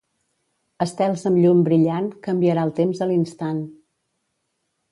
Estels amb llum brillant, canviarà el temps a l'instant.